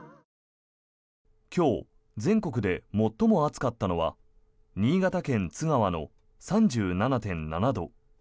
今日、全国で最も暑かったのは新潟県津川の３７．７度。